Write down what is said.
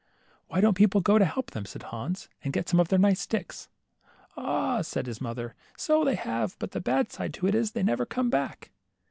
Why don't people go to help them ?" said Hans, and get some of their nice sticks ?" Ah," said his mother, so they have ; but the bad side to it is, they never come back."